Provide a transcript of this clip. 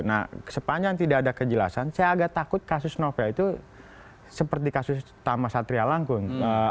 nah sepanjang tidak ada kejelasan saya agak takut kasus novel itu seperti kasus tama satria langkung